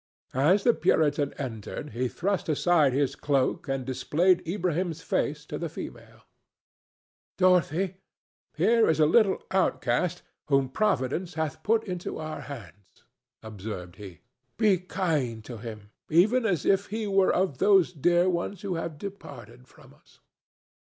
As the Puritan entered he thrust aside his cloak and displayed Ilbrahim's face to the female. "Dorothy, here is a little outcast whom Providence hath put into our hands," observed he. "Be kind to him, even as if he were of those dear ones who have departed from us."